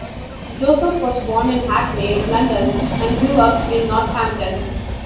Joseph was born in Hackney, London and grew up in Northampton.